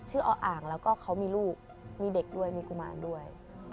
ออ่างแล้วก็เขามีลูกมีเด็กด้วยมีกุมารด้วย